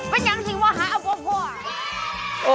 มันยังทิ้งมาหาอัปโภ